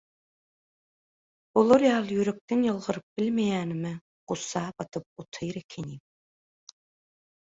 Olar ýaly ýürekden ýylgyryp bilmeýänime gussa batyp otyr ekenim.